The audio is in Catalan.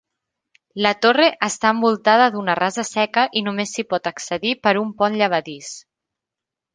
La torre està envoltada d'una rasa seca i només s'hi pot accedir per un pont llevadís.